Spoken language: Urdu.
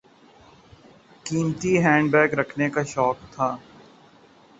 قیمتی ہینڈ بیگ رکھنے کا شوق تھا۔